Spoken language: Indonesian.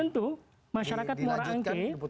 tentu masyarakat muara angke